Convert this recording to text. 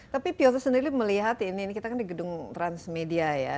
tapi pioto sendiri melihat ini kita kan di gedung transmedia ya